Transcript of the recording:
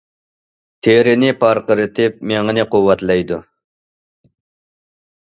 تېرىنى پارقىرىتىپ، مېڭىنى قۇۋۋەتلەيدۇ.